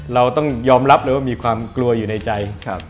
เราต้องยอมรับเลยว่ามีความกลัวอยู่ในใจ